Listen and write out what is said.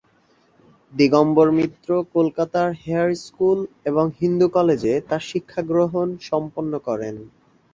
দিগম্বর মিত্র কলকাতার Hare school এবং হিন্দু কলেজে তাঁর শিক্ষাগ্রহণ সম্পন্ন করেন।